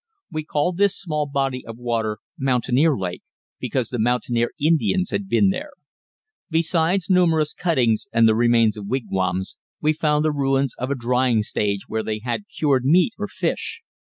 We called this small body of water Mountaineer Lake, because the Mountaineer Indians had been there. Besides numerous cuttings and the remains of wigwams, we found the ruins of a drying stage where they had cured meat or fish.